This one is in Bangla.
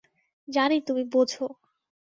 জানি তুমি বোঝো।